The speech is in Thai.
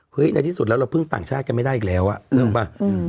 ในที่สุดแล้วเราพึ่งต่างชาติกันไม่ได้อีกแล้วอ่ะนึกออกป่ะ